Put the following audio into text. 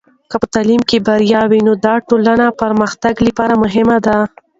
که په تعلیم کې بریا وي، نو دا د ټولنې پرمختګ لپاره مهم دی.